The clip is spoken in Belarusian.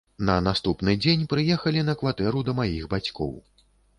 На наступны дзень прыехалі на кватэру да маіх бацькоў.